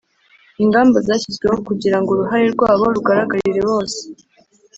ingamba zashyizweho kugira ngo uruhare rwabo rugaragarire bose